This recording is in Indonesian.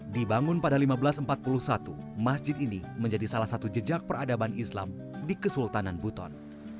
dibangun pada seribu lima ratus empat puluh satu masjid ini menjadi salah satu jejak peradaban islam di kesultanan buton